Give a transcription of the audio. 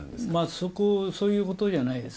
そこ、そういうことじゃないです。